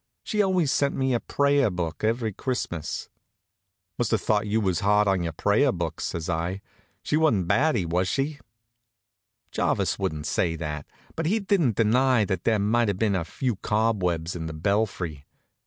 She always sent me a prayer book every Christmas." "Must have thought you was hard on prayer books," says I. "She wa'n't batty, was she?" Jarvis wouldn't say that; but he didn't deny that there might have been a few cobwebs in the belfry.